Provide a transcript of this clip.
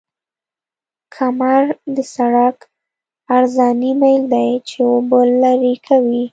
کمبر د سرک عرضاني میل دی چې اوبه لرې کوي